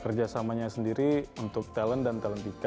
kerjasamanya sendiri untuk talent dan talentika